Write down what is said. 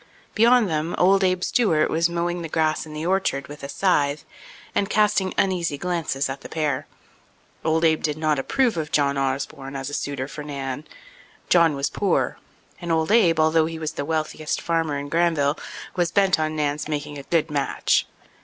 Beyond them, old Abe Stewart was mowing the grass in the orchard with a scythe and casting uneasy glances at the pair. Old Abe did not approve of John Osborne as a suitor for Nan. John was poor; and old Abe, although he was the wealthiest farmer in Granville, was bent on Nan's making a good match.